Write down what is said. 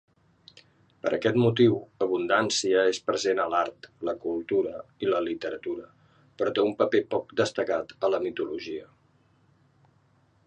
Per aquest motiu, Abundància és present a l'art, la cultura i la literatura, però té un paper poc destacat a la mitologia.